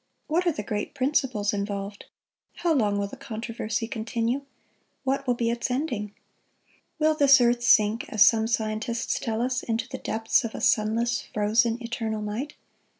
What are the great principles involved? How long will the controversy continue? What will be its ending? Will this earth sink, as some scientists tell us, into the depths of a sunless, frozen, eternal night?